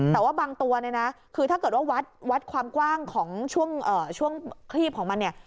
แต่ว่าบางตัวเนี่ยนะคือถ้าเกิดว่าวัดความกว้างของช่วงคลีบของมันเนี่ย